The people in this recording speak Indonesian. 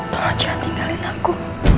tolong jangan tinggalin aku